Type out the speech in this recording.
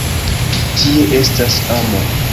Tie estas amo!